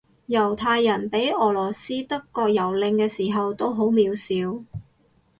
猶太人畀俄羅斯德國蹂躪嘅時候都好渺小